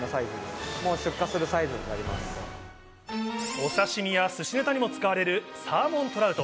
お刺身や寿司ネタにも使われるサーモントラウト。